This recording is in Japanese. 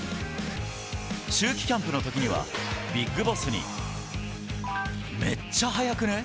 秋季キャンプの時にはビッグボスにめっちゃ速くね？